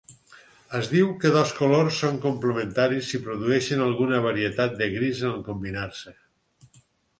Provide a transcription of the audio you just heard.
Es diu que dos colors són complementaris si produeixen alguna varietat de gris en combinar-se.